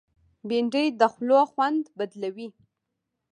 بېنډۍ د خولو خوند بدلوي